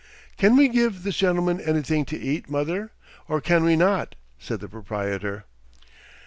"Can we give this gentleman anything to eat, mother, or can we not?" said the proprietor.